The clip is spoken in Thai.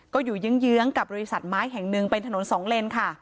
ก็อยู่ยื้องเยื้องกับรหิสัตว์ไม้แห่งนึงเป็นถนนสองเล่นค่ะ